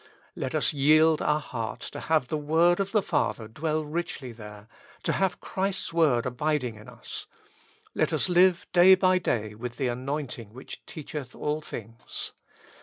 Let us yield our heart to have the word of the Father dwell richly there, to have Christ's word abiding in us. Let us 239 With Christ in the School of Prayer. Hve day by day with the anointing which teacheth all things.